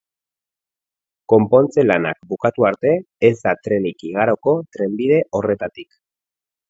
Konpontze lanak bukatu arte, ez da trenik igaroko trenbide horretatik.